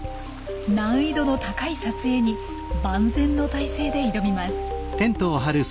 難易度の高い撮影に万全の態勢で挑みます。